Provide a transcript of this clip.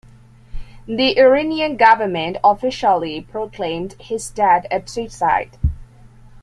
The Iranian government officially proclaimed his death a suicide.